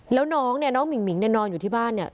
แล้วน้องเนี่ยน้องหมิ่งหิงเนี่ยนอนอยู่ที่บ้านเนี่ย